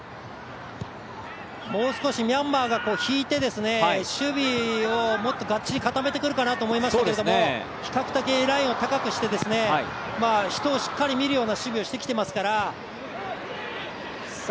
もう少し、ミャンマーが引いて、守備をもっとがっちり固めてくるかなと思いましたけど比較的ラインを高くして人をしっかり見るような守備をしてきてますから。